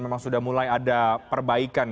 memang sudah mulai ada perbaikan